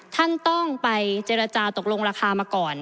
ท่านต้องไปเจรจาตกลงราคามาก่อน